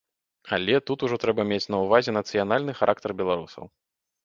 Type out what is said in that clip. Але тут ужо трэба мець на ўвазе нацыянальны характар беларусаў.